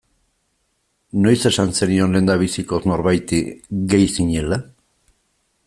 Noiz esan zenion lehendabizikoz norbaiti gay zinela.